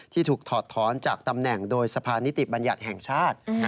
ถูกถอดถอนจากตำแหน่งโดยสะพานนิติบัญญัติแห่งชาติ